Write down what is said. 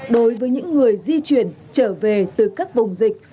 đối với những người di chuyển trở về từ các vùng dịch